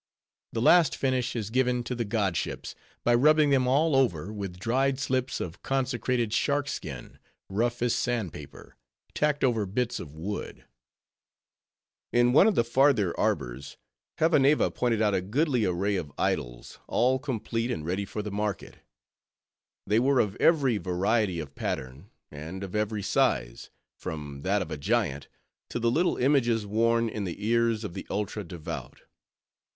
The last finish is given to their godships, by rubbing them all over with dried slips of consecrated shark skin, rough as sand paper, tacked over bits of wood. In one of the farther arbors, Hevaneva pointed out a goodly array of idols, all complete and ready for the market. They were of every variety of pattern; and of every size; from that of a giant, to the little images worn in the ears of the ultra devout.